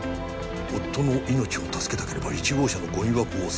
「夫の命を助けたければ１号車のゴミ箱を探せ」